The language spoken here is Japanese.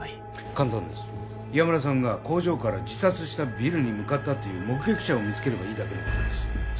簡単です岩村さんが工場から自殺したビルに向かったという目撃者を見つければいいだけのことです